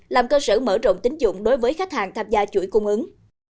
làm cơ sở mở rộng tính dụng đối với khách hàng tham gia chuỗi cung ứng